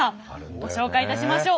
ご紹介いたしましょう。